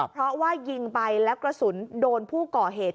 เพราะว่ายิงไปแล้วกระสุนโดนผู้ก่อเหตุ